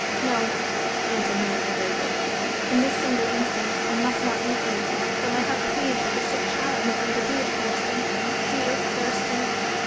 "No," answered Marian, gravely, "in this single instance, I must not meet you, though my heart pleads like a sick child with me to do it, Thurston, dear Thurston."